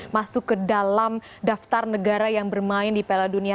masuk ke dalam daftar negara yang bermain di piala dunia